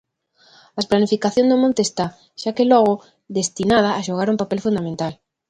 As planificación do monte está, xa que logo, destinada a xogar un papel fundamental.